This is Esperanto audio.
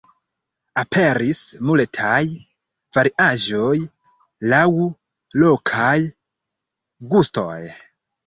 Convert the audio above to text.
Aperis multaj variaĵoj laŭ lokaj gustoj.